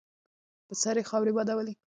په سر یې خاورې بادولې.